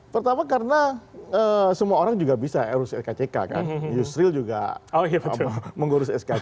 pertama karena semua orang juga bisa mengurus skck kan yusril juga mengurus skck